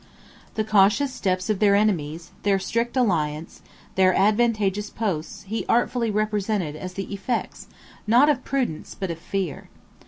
The cautious steps of their enemies, their strict alliance, and their advantageous posts, he artfully represented as the effects, not of prudence, but of fear.